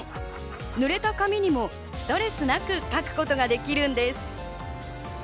濡れた紙にもストレスなく書くことができるんです。